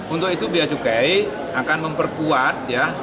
untuk itu biacukai akan memperkuat